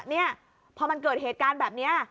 นี่พอมันเกิดเหตุการณ์แบบนี้